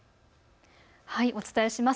お伝えします。